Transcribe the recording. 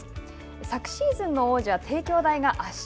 昨シーズンの王者帝京大が圧勝。